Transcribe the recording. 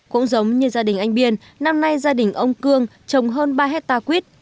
cũng giống như gia đình anh biên năm nay gia đình ông cương trồng hơn ba hectare quýt